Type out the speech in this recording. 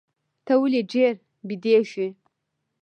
ته ولي ډېر بیدېږې؟